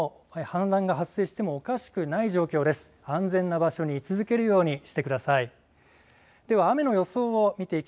安全な場所に居続けるようにしてください。